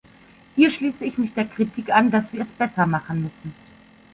Hier schließe ich mich der Kritik an, dass wir es besser machen müssen.